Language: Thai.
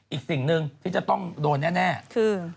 อีกสิ่งหนึ่งที่จะต้องโดนแน่คือ